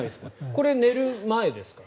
これ、寝る前ですか？